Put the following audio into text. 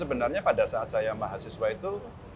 sebenarnya pada saat saya mahasiswa itu